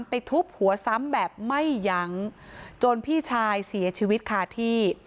ทุบหัวซ้ำแบบไม่ยั้งจนพี่ชายเสียชีวิตคาที่